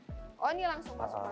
oh ini langsung masuk